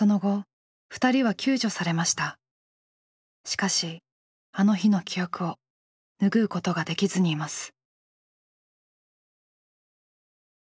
しかしあの日の記憶を拭うことができずにいます。